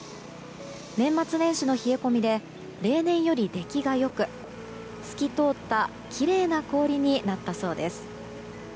年末年始の冷え込みで例年より出来が良く透き通ったきれいな氷になったそうです。